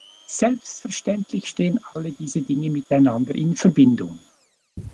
Selbstverständlich stehen alle diese Dinge miteinander in Verbindung.